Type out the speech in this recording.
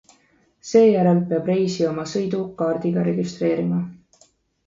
Seejärel peab reisija oma sõidu kaardiga registreerima.